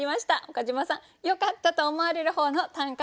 岡島さんよかったと思われる方の短歌